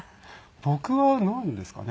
僕はなんですかね？